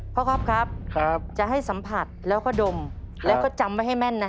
ก๊อฟครับจะให้สัมผัสแล้วก็ดมแล้วก็จำไว้ให้แม่นนะ